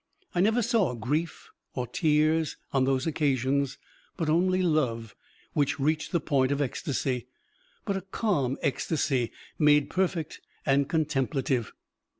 I never saw grief or tears on those occasions, but only love, which reached the point of ecstasy, but a calm ecstasy, made perfect and contemplative.